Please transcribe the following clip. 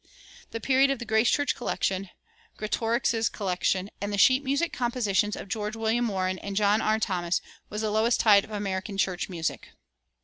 The period of "The Grace Church Collection," "Greatorex's Collection," and the sheet music compositions of George William Warren and John R. Thomas was the lowest tide of American church music.